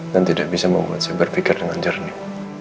dan tidak bisa membuat saya berpikir dengan jernih